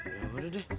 ya udah deh